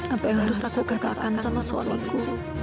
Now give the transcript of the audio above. apa yang harus aku katakan sama sesuatu